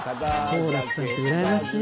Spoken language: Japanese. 好楽さんってうらやましい。